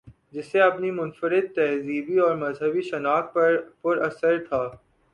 جسے اپنی منفردتہذیبی اورمذہبی شناخت پر اصرار تھا۔